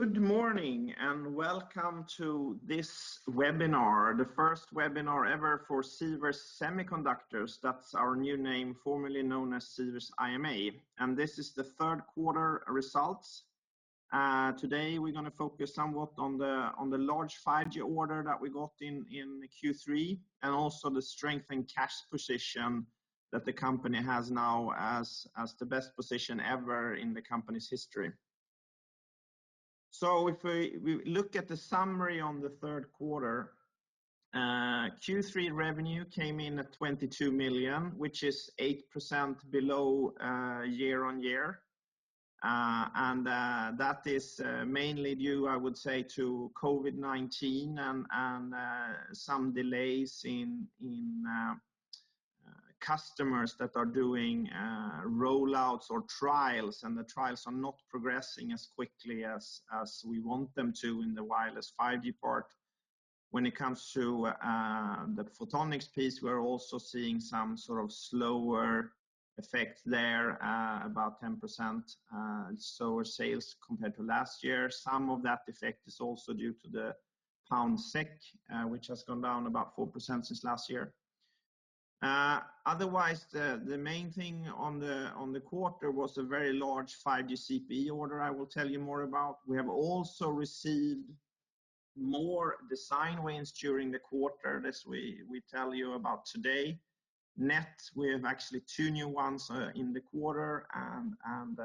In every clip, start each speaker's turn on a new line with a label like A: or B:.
A: Good morning, welcome to this webinar, the first webinar ever for Sivers Semiconductors. That's our new name, formerly known as Sivers IMA, this is the third quarter results. Today, we're going to focus somewhat on the large 5G order that we got in Q3, also the strength and cash position that the company has now as the best position ever in the company's history. If we look at the summary on the third quarter, Q3 revenue came in at 22 million, which is 8% below year-on-year. That is mainly due, I would say, to COVID-19 and some delays in customers that are doing rollouts or trials, and the trials are not progressing as quickly as we want them to in the wireless 5G part. When it comes to the Photonics piece, we're also seeing some sort of slower effect there, about 10% slower sales compared to last year. Some of that effect is also due to the pound/SEK, which has gone down about 4% since last year. Otherwise, the main thing on the quarter was a very large 5G CPE order I will tell you more about. We have also received more design wins during the quarter. This, we tell you about today. Net, we have actually two new ones in the quarter and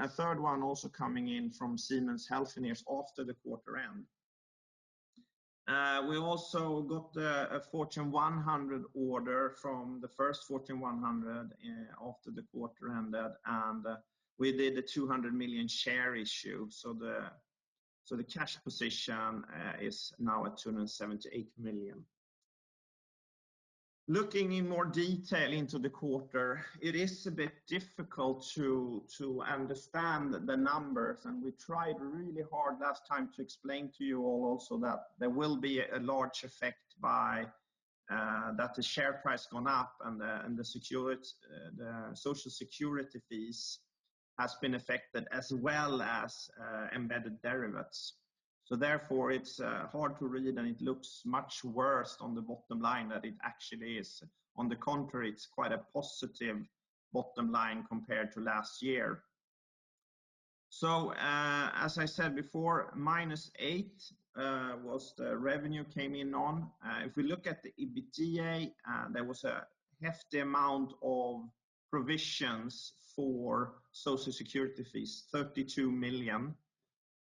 A: a third one also coming in from Siemens Healthineers after the quarter end. We also got a Fortune 100 order from the first Fortune 100 after the quarter ended. We did a 200 million share issue. The cash position is now at 278 million. Looking in more detail into the quarter, it is a bit difficult to understand the numbers. We tried really hard last time to explain to you all also that there will be a large effect by that the share price gone up and the social security fees has been affected as well as embedded derivatives. Therefore, it's hard to read and it looks much worse on the bottom line than it actually is. On the contrary, it's quite a positive bottom line compared to last year. As I said before, minus 8% was the revenue came in on. If we look at the EBITDA, there was a hefty amount of provisions for social security fees, 32 million.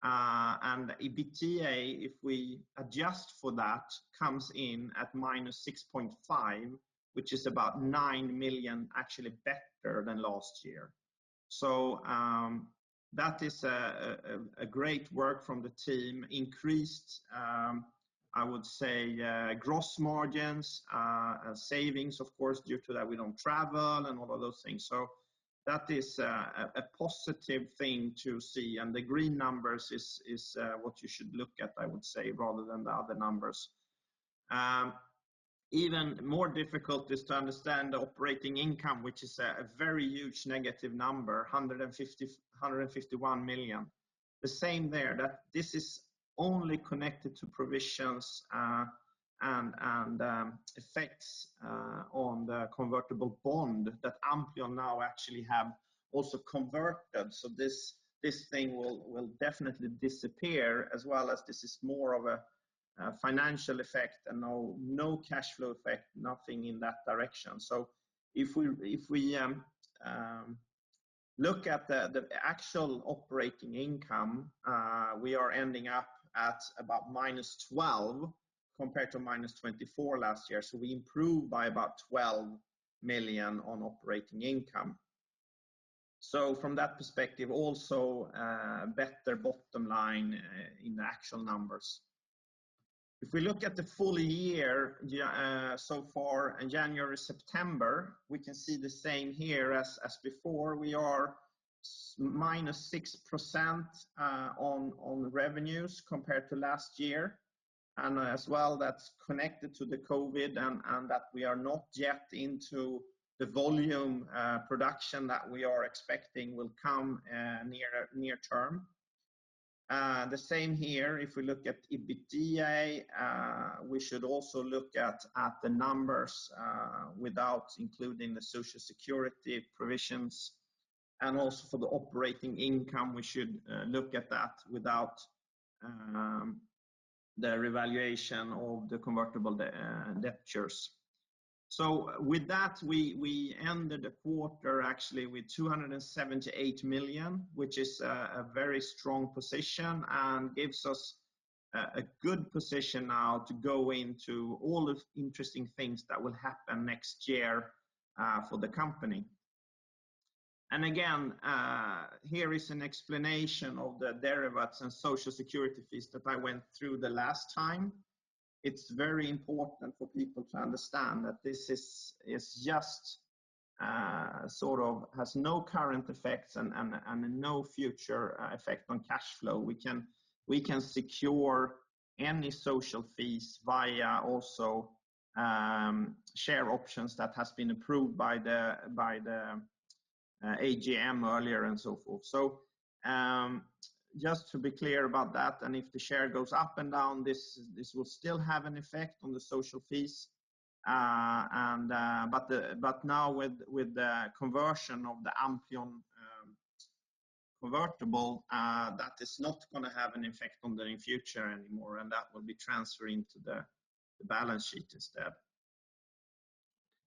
A: The EBITDA, if we adjust for that, comes in at -6.5, which is about 9 million actually better than last year. That is a great work from the team. Increased, I would say, gross margins, savings, of course, due to that we don't travel and all of those things. That is a positive thing to see, and the green numbers is what you should look at, I would say, rather than the other numbers. Even more difficult is to understand the operating income, which is a very huge negative number, 151 million. The same there, that this is only connected to provisions and effects on the convertible bond that Ampleon now actually have also converted. This thing will definitely disappear as well as this is more of a financial effect and no cash flow effect, nothing in that direction. If we look at the actual operating income, we are ending up at about minus 12 compared to minus 24 last year. We improved by about 12 million on operating income. From that perspective, also a better bottom line in the actual numbers. If we look at the full year so far in January, September, we can see the same here as before. We are -6% on revenues compared to last year. As well, that's connected to the COVID-19 and that we are not yet into the volume production that we are expecting will come near term. The same here, if we look at EBITDA, we should also look at the numbers without including the social security provisions. Also for the operating income, we should look at that without the revaluation of the convertible debentures. With that, we ended the quarter actually with 278 million, which is a very strong position and gives us a good position now to go into all the interesting things that will happen next year for the company. Again, here is an explanation of the derivatives and social security fees that I went through the last time. It's very important for people to understand that this sort of has no current effects and no future effect on cash flow. We can secure any social fees via also share options that has been approved by the AGM earlier and so forth. Just to be clear about that, and if the share goes up and down, this will still have an effect on the social fees. Now with the conversion of the Ampleon convertible, that is not going to have an effect on the uncertain anymore, and that will be transferring to the balance sheet instead.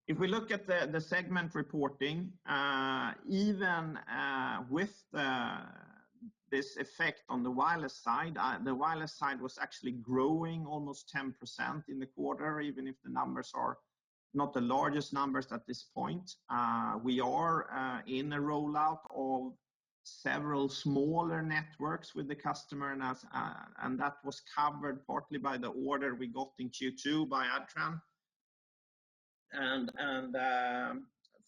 A: If we look at the segment reporting, even with this effect on the wireless side, the wireless side was actually growing almost 10% in the quarter, even if the numbers are not the largest numbers at this point. We are in a rollout of several smaller networks with the customer. That was covered partly by the order we got in Q2 by Adtran.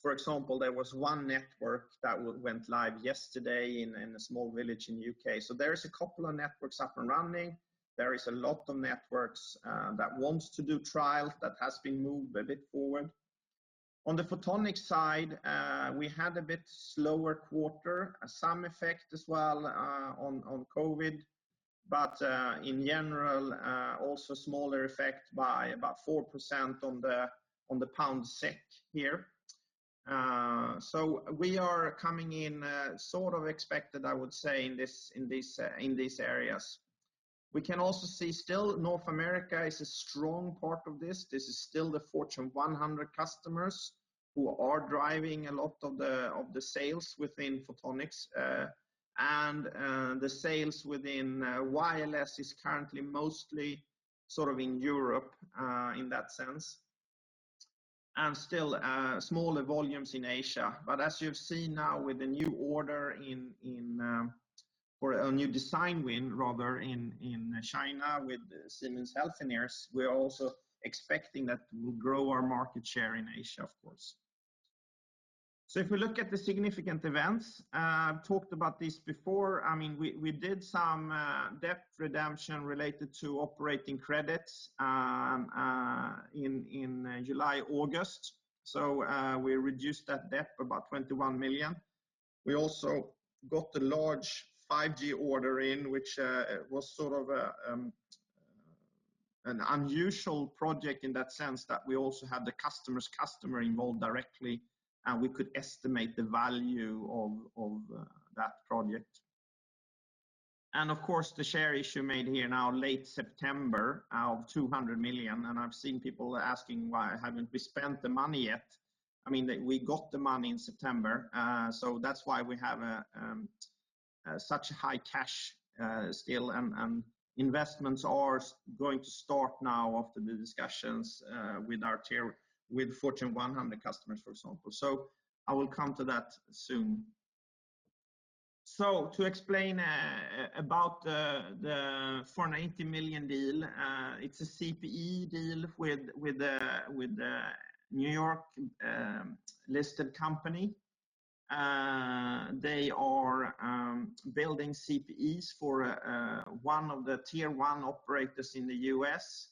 A: For example, there was one network that went live yesterday in a small village in U.K. There is a couple of networks up and running. There is a lot of networks that wants to do trials that has been moved a bit forward. On the Photonics side, we had a bit slower quarter, some effect as well on COVID-19, but in general, also smaller effect by about 4% on the pound/SEK here. We are coming in sort of expected, I would say, in these areas. We can also see still North America is a strong part of this. This is still the Fortune 100 customers who are driving a lot of the sales within Photonics. The sales within wireless is currently mostly sort of in Europe, in that sense, and still smaller volumes in Asia. As you've seen now with the new order in, or a new design win rather in China with Siemens Healthineers, we're also expecting that we'll grow our market share in Asia, of course. If we look at the significant events, talked about this before. We did some debt redemption related to operating credits in July, August. We reduced that debt about 21 million. We also got a large 5G order in which was sort of an unusual project in that sense that we also had the customer's customer involved directly, and we could estimate the value of that project. Of course, the share issue made here now late September of 200 million, and I've seen people asking why haven't we spent the money yet. We got the money in September, so that's why we have such high cash still, and investments are going to start now after the discussions with Fortune 100 customers, for example. I will come to that soon. To explain about the 480 million deal, it's a CPE deal with a New York-listed company. They are building CPEs for one of the tier 1 operators in the U.S.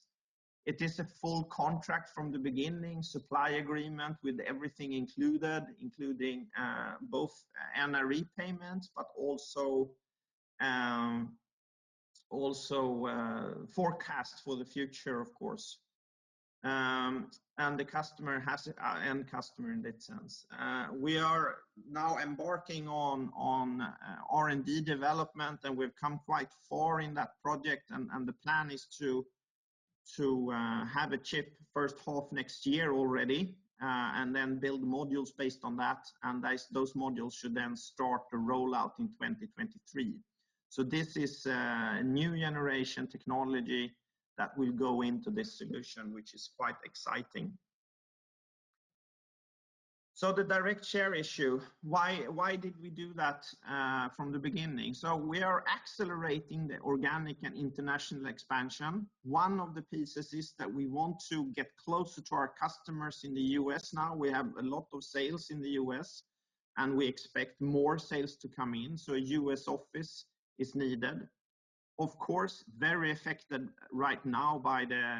A: It is a full contract from the beginning, supply agreement with everything included, including both NRE payments, also forecasts for the future, of course, and end customer in that sense. We are now embarking on R&D development, we've come quite far in that project, the plan is to have a chip first half next year already, then build modules based on that, those modules should then start to roll out in 2023. This is a new generation technology that will go into this solution, which is quite exciting. The direct share issue, why did we do that from the beginning? We are accelerating the organic and international expansion. One of the pieces is that we want to get closer to our customers in the U.S. now. We have a lot of sales in the U.S., and we expect more sales to come in. A U.S. office is needed. Of course, very affected right now by the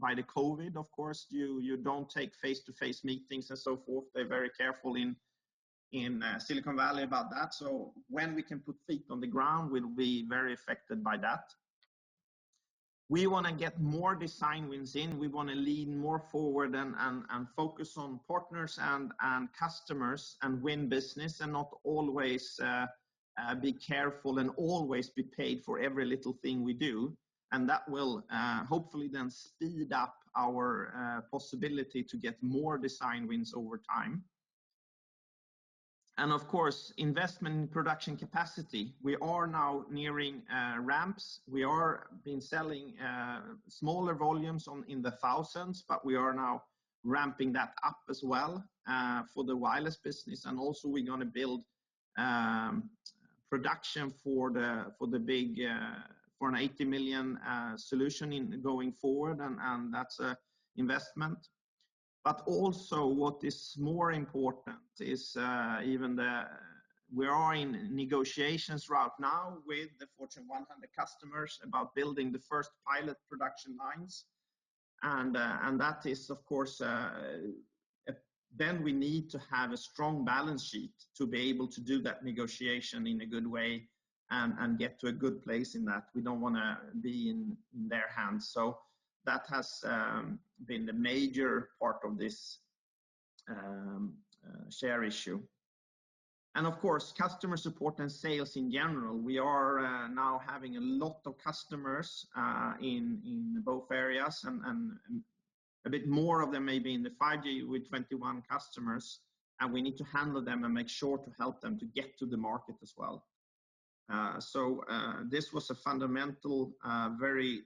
A: COVID-19, of course. You don't take face-to-face meetings and so forth. They're very careful in Silicon Valley about that. When we can put feet on the ground, we'll be very affected by that. We want to get more design wins in. We want to lean more forward and focus on partners and customers and win business and not always be careful and always be paid for every little thing we do. That will hopefully speed up our possibility to get more design wins over time. Of course, investment in production capacity. We are now nearing ramps. We are been selling smaller volumes in the thousands. We are now ramping that up as well for the wireless business. Also we're going to build production for the big 480 million solution going forward. That's an investment. Also what is more important is, we are in negotiations right now with the Fortune 100 customers about building the first pilot production lines. Then we need to have a strong balance sheet to be able to do that negotiation in a good way and get to a good place in that. We don't want to be in their hands. That has been the major part of this share issue. Of course, customer support and sales in general. We are now having a lot of customers in both areas and a bit more of them may be in the 5G with 21 customers, and we need to handle them and make sure to help them to get to the market as well. This was a fundamental, very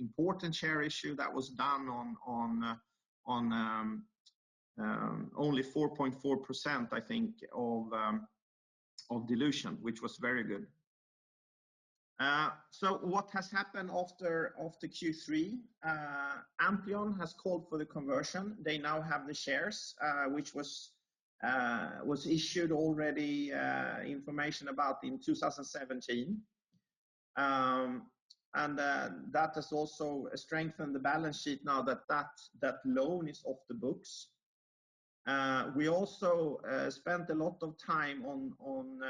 A: important share issue that was done on only 4.4%, I think, of dilution, which was very good. What has happened after Q3? Ampleon has called for the conversion. They now have the shares which was issued already information about in 2017. That has also strengthened the balance sheet now that that loan is off the books. We also spent a lot of time on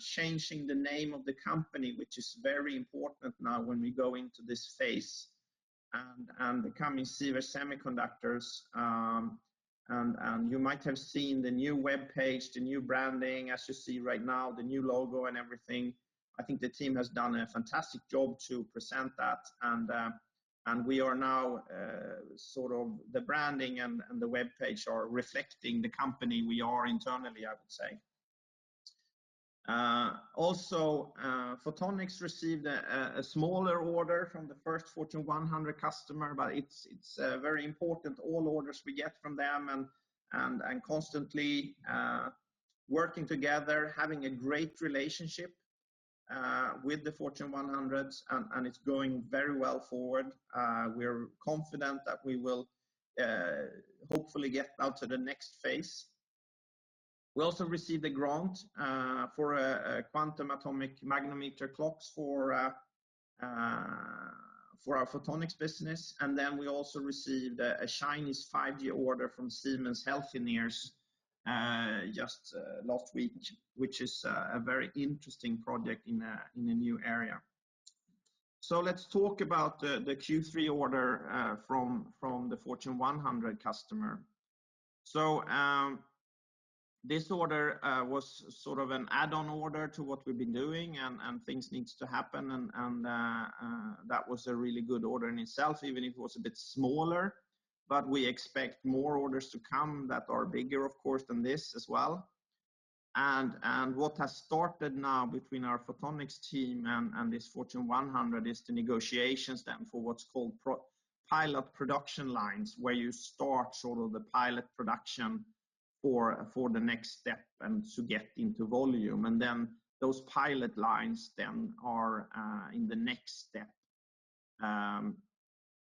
A: changing the name of the company, which is very important now when we go into this phase and becoming Sivers Semiconductors. You might have seen the new webpage, the new branding, as you see right now, the new logo and everything. I think the team has done a fantastic job to present that. We are now, the branding and the webpage are reflecting the company we are internally, I would say. Also, Photonics received a smaller order from the first Fortune 100 customer, but it's very important all orders we get from them and constantly working together, having a great relationship with the Fortune 100s, and it's going very well forward. We're confident that we will hopefully get now to the next phase. We also received a grant for a quantum atomic magnetometer clocks for our Photonics business. We also received a Chinese 5G order from Siemens Healthineers just last week, which is a very interesting project in a new area. Let's talk about the Q3 order from the Fortune 100 customer. This order was sort of an add-on order to what we've been doing and things needs to happen and that was a really good order in itself, even if it was a bit smaller. We expect more orders to come that are bigger, of course, than this as well. What has started now between our Photonics team and this Fortune 100 is the negotiations then for what's called pilot production lines, where you start sort of the pilot production for the next step and to get into volume. Then those pilot lines then are in the next step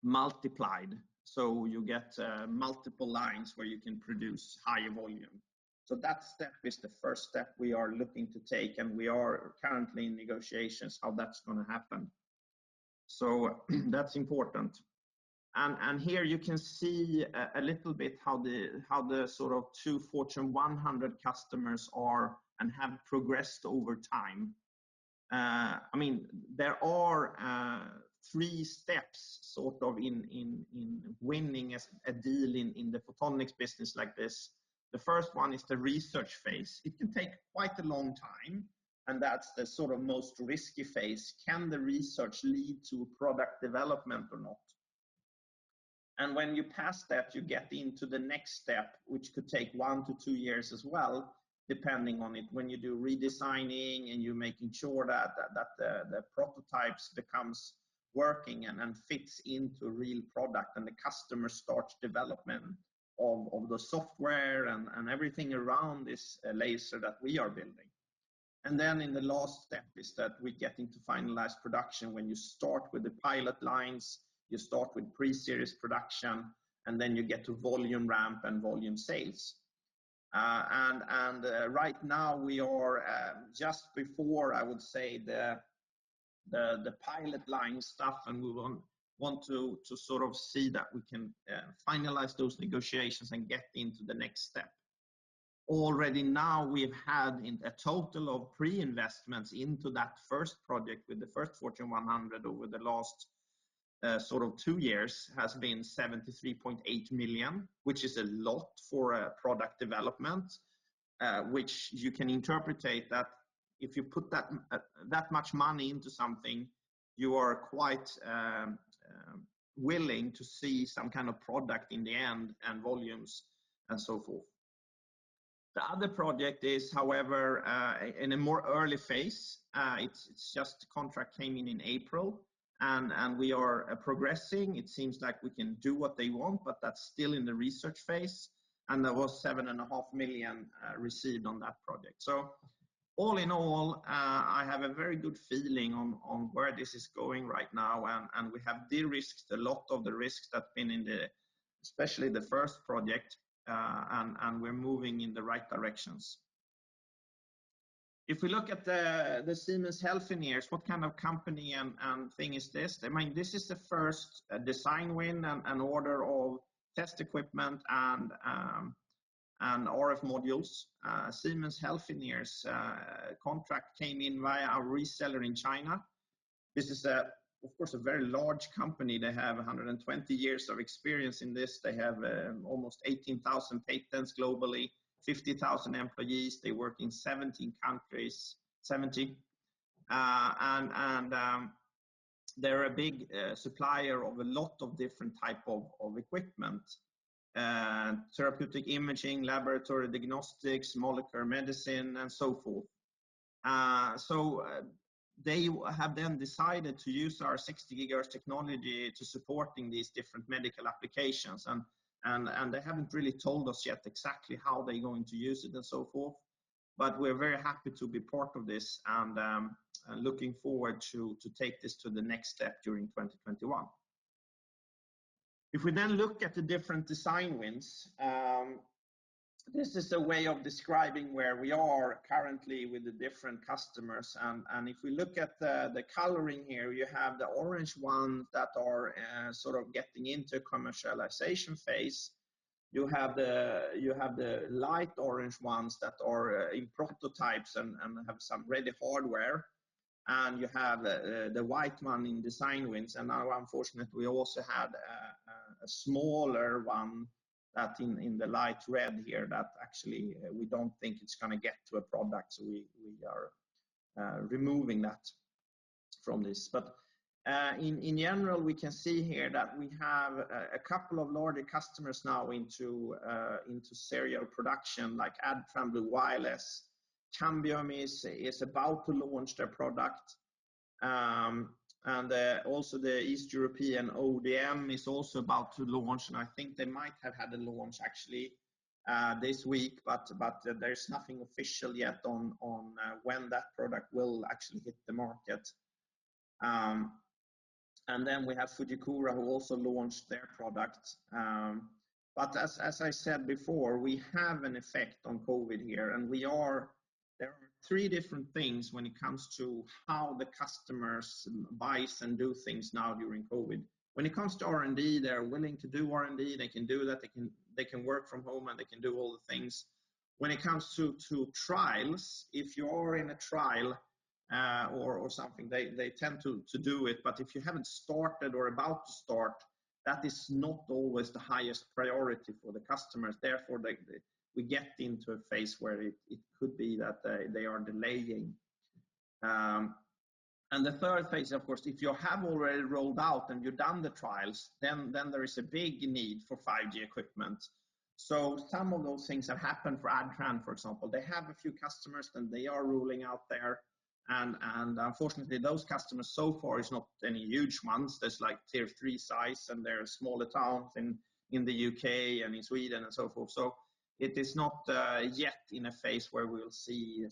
A: multiplied. You get multiple lines where you can produce higher volume. That step is the first step we are looking to take and we are currently in negotiations how that's going to happen. That's important. Here you can see a little bit how the two Fortune 100 customers are and have progressed over time. There are three steps sort of in winning a deal in the Photonics business like this. The first one is the research phase. It can take quite a long time, and that's the sort of most risky phase. Can the research lead to product development or not? When you pass that, you get into the next step, which could take one to two years as well, depending on it when you do redesigning and you're making sure that the prototypes becomes working and fits into a real product and the customer starts development of the software and everything around this laser that we are building. In the last step is that we get into finalized production when you start with the pilot lines, you start with pre-series production, and then you get to volume ramp and volume sales. Right now we are just before I would say the pilot line stuff and we want to sort of see that we can finalize those negotiations and get into the next step. Already now we've had a total of pre-investments into that first project with the first Fortune 100 over the last sort of two years has been 73.8 million, which is a lot for a product development. Which you can interpret that if you put that much money into something, you are quite willing to see some kind of product in the end and volumes and so forth. The other project is however in a more early phase. It's just contract came in in April and we are progressing. That's still in the research phase and there was seven and a half million received on that project. All in all, I have a very good feeling about where this is going right now. We have de-risked a lot of the risks that have been in, especially the first project. We're moving in the right directions. If we look at the Siemens Healthineers, what kind of company and thing is this? This is the first design win and order of test equipment and RF modules. Siemens Healthineers' contract came in via a reseller in China. This is, of course, a very large company. They have 120 years of experience in this. They have almost 18,000 patents globally, 50,000 employees. They work in 17 countries. They're a big supplier of a lot of different types of equipment, therapeutic imaging, laboratory diagnostics, molecular medicine, and so forth. They have then decided to use our 60 GHz technology to support these different medical applications. They haven't really told us yet exactly how they're going to use it and so forth, but we're very happy to be part of this and looking forward to taking this to the next step during 2021. If we then look at the different design wins, this is a way of describing where we are currently with the different customers. If we look at the coloring here, you have the orange ones that are sort of getting into the commercialization phase. You have the light orange ones that are in prototypes and have some ready hardware, and you have the white one in design wins. Now, unfortunately, we also had a smaller one in the light red here that actually we don't think is going to get to a product. We are removing that from this. In general, we can see here that we have a couple of larger customers now into serial production, like Adtran, Blu Wireless. Cambium is about to launch their product. Also the East European ODM is also about to launch, and I think they might have had a launch actually this week, but there's nothing official yet on when that product will actually hit the market. Then we have Fujikura, who also launched their product. As I said before, we have an effect on COVID-19 here, and there are three different things when it comes to how the customers buy and do things now during COVID-19. When it comes to R&D, they're willing to do R&D. They can do that. They can work from home, and they can do all the things. When it comes to trials, if you're in a trial or something, they tend to do it. If you haven't started or are about to start, that is not always the highest priority for the customers. Therefore, we get into a phase where it could be that they are delaying. The third phase, of course, if you have already rolled out and you've done the trials, then there is a big need for 5G equipment. Some of those things have happened for Adtran, for example. They have a few customers, and they are rolling out there, and unfortunately, those customers so far are not any huge ones. There's tier 3 size, and they're smaller towns in the U.K. and in Sweden and so forth. It is not yet in a phase where we'll see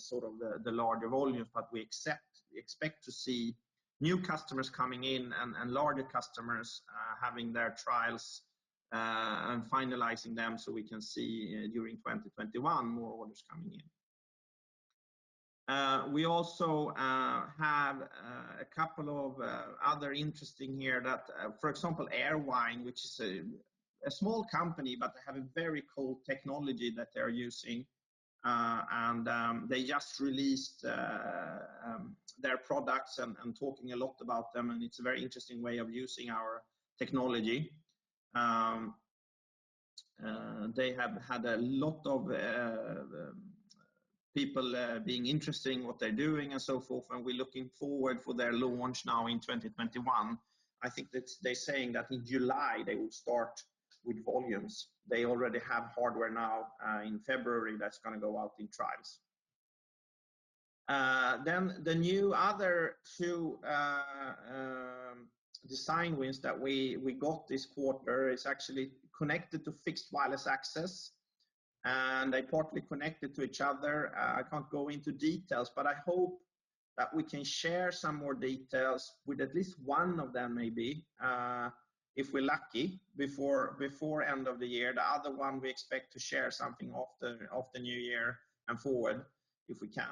A: the larger volumes, but we expect to see new customers coming in and larger customers having their trials and finalizing them so we can see during 2021 more orders coming in. We also have a couple of other interesting here that, for example, Airvine, which is a small company, but they have a very cool technology that they're using. They just released their products and talking a lot about them, and it's a very interesting way of using our technology. They have had a lot of people being interested in what they're doing and so forth, and we're looking forward to their launch now in 2021. I think they're saying that in July, they will start with volumes. They already have hardware now in February that's going to go out in trials. The new other two design wins that we got this quarter are actually connected to fixed wireless access, and they're partly connected to each other. I can't go into details, but I hope that we can share some more details with at least one of them maybe, if we're lucky, before the end of the year. The other one, we expect to share something after the new year and forward if we can.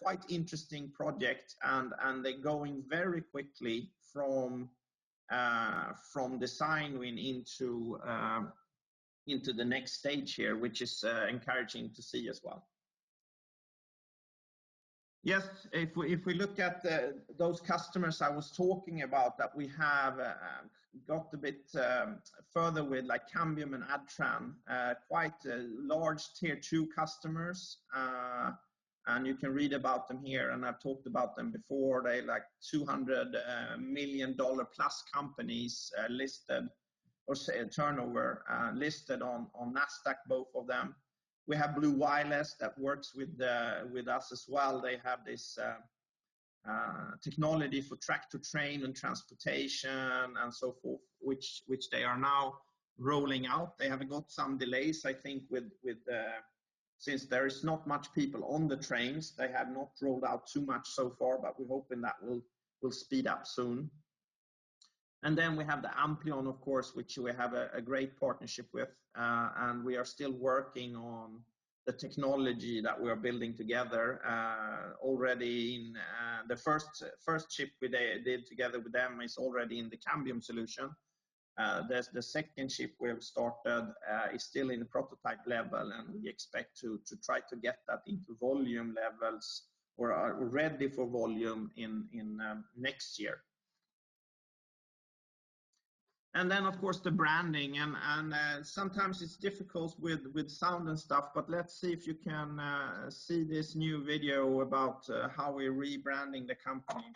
A: Quite interesting project, and they're going very quickly from design win into the next stage here, which is encouraging to see as well. If we look at those customers I was talking about that we have got a bit further with, like Cambium and Adtran, quite large tier 2 customers. You can read about them here, and I've talked about them before. They're like SEK 200 million-plus companies listed or turnover listed on Nasdaq, both of them. We have Blu Wireless that works with us as well. They have Technology for track-to-train and transportation and so forth, which they are now rolling out. They have got some delays, I think since there is not much people on the trains, they have not rolled out too much so far, we're hoping that will speed up soon. Then we have the Ampleon, of course, which we have a great partnership with. We are still working on the technology that we are building together. Already the first chip we did together with them is already in the Cambium solution. The second chip we have started is still in the prototype level, and we expect to try to get that into volume levels or are ready for volume next year. Of course, the branding. Sometimes it's difficult with sound and stuff, but let's see if you can see this new video about how we're rebranding the company.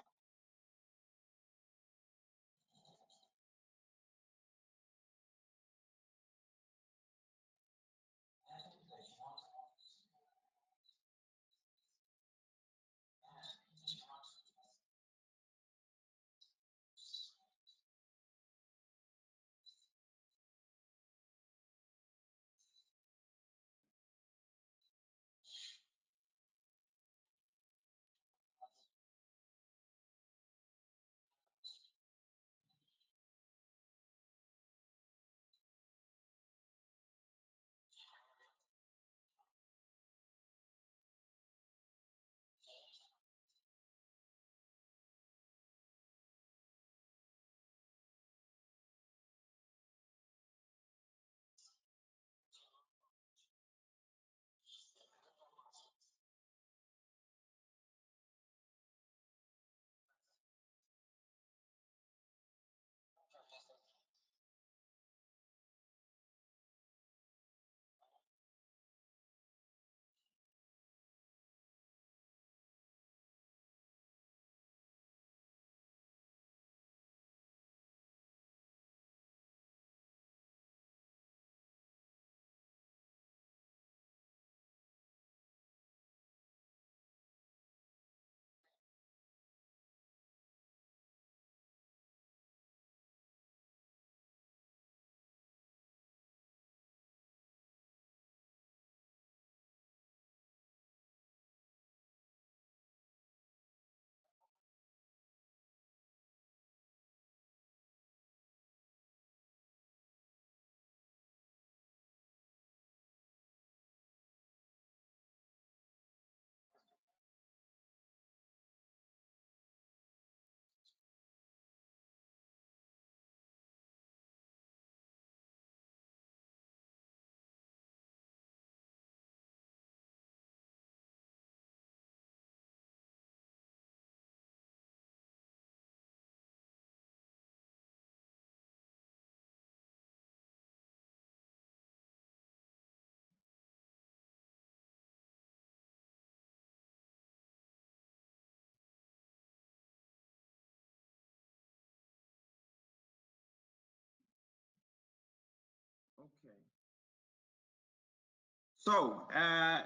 A: Okay.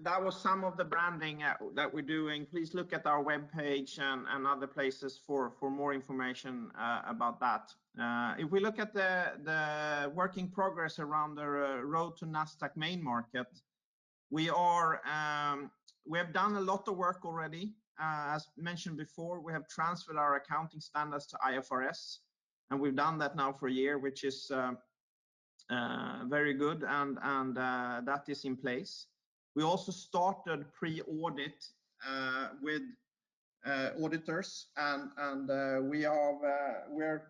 A: That was some of the branding that we're doing. Please look at our webpage and other places for more information about that. If we look at the work in progress around the road to Nasdaq Main Market, we have done a lot of work already. As mentioned before, we have transferred our accounting standards to IFRS, and we've done that now for a year, which is very good, and that is in place. We also started pre-audit with auditors, and we're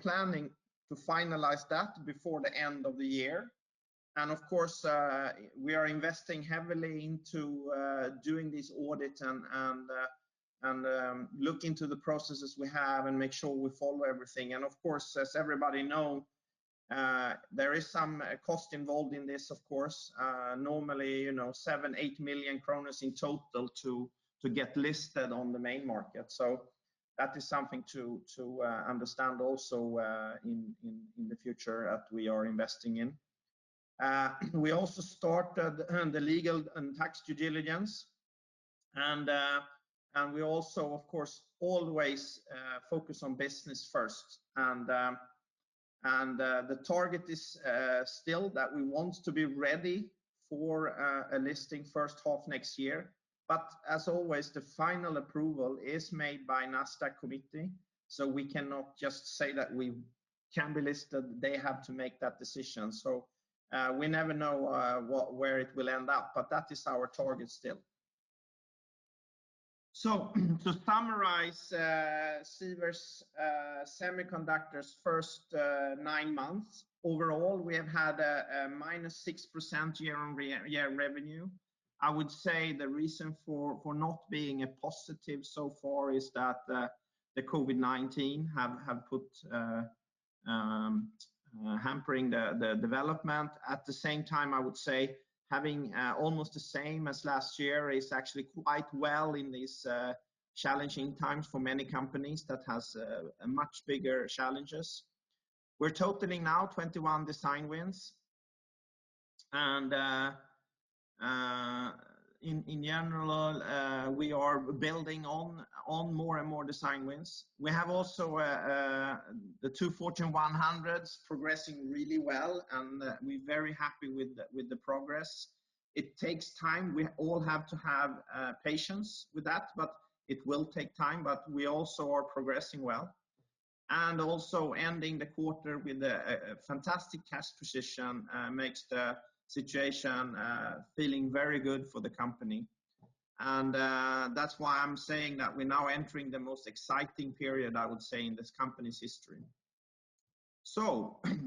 A: planning to finalize that before the end of the year. Of course, we are investing heavily into doing this audit and look into the processes we have and make sure we follow everything. Of course, as everybody know, there is some cost involved in this, of course. Normally 7 million-8 million kronor in total to get listed on the Main Market. That is something to understand also in the future that we are investing in. We also started the legal and tax due diligence. We also, of course, always focus on business first. The target is still that we want to be ready for a listing first half next year. As always, the final approval is made by Nasdaq committee. We cannot just say that we can be listed. They have to make that decision. We never know where it will end up, but that is our target still. To summarize, Sivers Semiconductors first nine months. Overall, we have had a minus 6% year-on-year revenue. I would say the reason for not being positive so far is that the COVID-19 have put Hampering the development. At the same time, I would say having almost the same as last year is actually quite well in these challenging times for many companies that has much bigger challenges. We're totaling now 21 design wins. In general, we are building on more and more design wins. We have also the two Fortune 100s progressing really well, and we're very happy with the progress. It takes time. We all have to have patience with that, but it will take time, but we also are progressing well. Also ending the quarter with a fantastic cash position makes the situation feeling very good for the company. That's why I'm saying that we're now entering the most exciting period, I would say, in this company's history.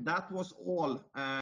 A: That was all.